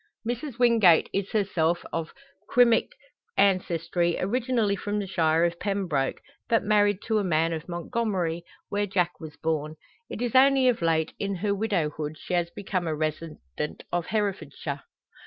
Mrs Wingate is herself of Cymric ancestry, originally from the shire of Pembroke, but married to a man of Montgomery, where Jack was born. It is only of late, in her widowhood, she has become a resident of Herefordshire.